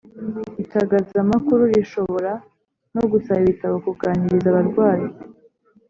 Itagaza makuru rishobora no gusaba ibitabo kuganiriza abarwayi